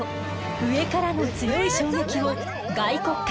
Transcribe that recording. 上からの強い衝撃を外骨格